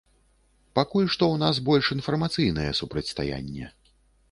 Пакуль што ў нас больш інфармацыйнае супрацьстаянне.